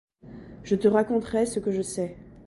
Je te raconterai ce que je sais.